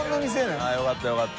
よかったよかった。